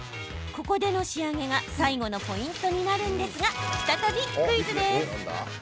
ここでの仕上げが最後のポイントになるんですが再びクイズです。